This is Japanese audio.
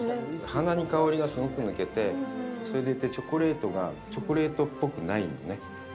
鼻に香りがすごく抜けてそれでいて、チョコレートがチョコレートっぽくないのよね。